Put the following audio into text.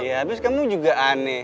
ya abis kamu juga aneh